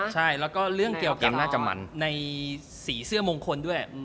ใช่แล้วก็เรื่องเกียวเกมน่าจะมันในสีเสื้อมงคลด้วย